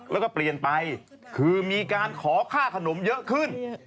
แล้วก็เปลี่ยนไปคือมีการขอค่าขนมเยอะขึ้น